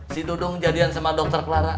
si dudung jadian sama dokter clara